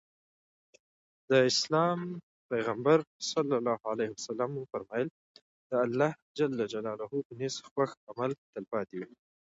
د اسلام پيغمبر ص وفرمايل د الله په نزد خوښ عمل تلپاتې وي.